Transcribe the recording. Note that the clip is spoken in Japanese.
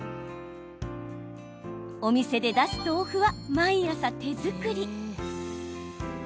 お店で出す豆腐は、毎朝手作り。